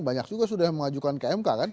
banyak juga sudah mengajukan ke mk kan